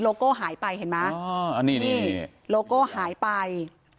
โลโก้หายไปเห็นมั้ยโลโก้หายไป